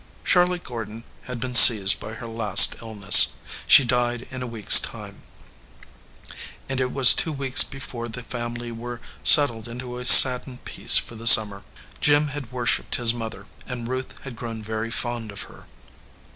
Charlotte Gordon had been seized by her last illness. She died in a week s time, and it was two 280 RING WITH THE GREEN STONE weeks before the family were settled into a sad dened peace for the summer. Jim had worshiped his mother, and Ruth had grown very fond of her.